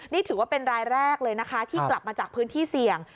นี่ถือว่าเป็นรายแรกเลยนะคะที่กลับมาจากพื้นที่เสี่ยง